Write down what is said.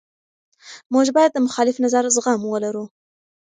موږ باید د مخالف نظر زغم ولرو.